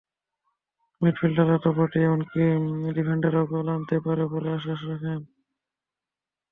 মিডফিল্ডাররা তো বটেই, এমনকি ডিফেন্ডাররাও গোল আনতে পারে বলে বিশ্বাস রাখেন।